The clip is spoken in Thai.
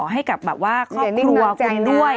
ให้กับแบบว่าครอบครัวคุณด้วย